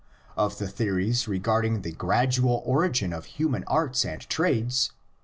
Of the theories regarding the gradual origin of human arts and trades (iv.